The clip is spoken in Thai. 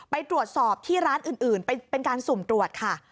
ไปตรวจสอบที่ร้านอื่นเป็นการสุ่มตรวจค่ะ